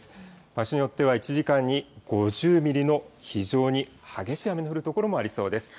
場所によっては１時間に５０ミリの非常に激しい雨の降る所もありそうです。